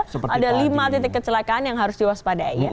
seperti tadi ada lima titik kecelakaan yang harus diwaspadai